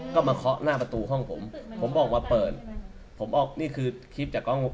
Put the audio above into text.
ก็มาเคาะหน้าประตูห้องผมผมบอกว่าเปิดผมบอกนี่คือคลิปจากกล้อง